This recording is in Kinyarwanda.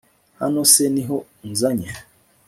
hano se niho unzanye